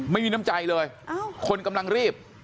ไม่มีน้ำใจเลยคนกำลังรีบ